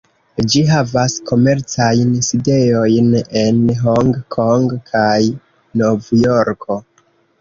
Ĝi havas komercajn sidejojn en Hong-Kong kaj Novjorko.